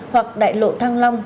hoặc đại lộ thăng long